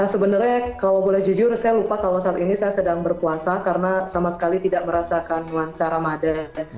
sebenarnya kalau boleh jujur saya lupa kalau saat ini saya sedang berpuasa karena sama sekali tidak merasakan nuansa ramadan